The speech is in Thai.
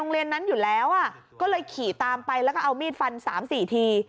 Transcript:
เรียนนั้นอยู่แล้วก็เลยขี่ตามไปแล้วก็เอามีดฟัน๓๔ที